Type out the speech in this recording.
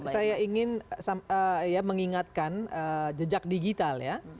saya ingin mengingatkan jejak digital ya